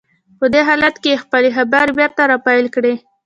په دې حالت کې يې خپلې خبرې بېرته را پيل کړې.